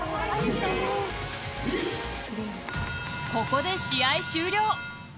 ここで試合終了。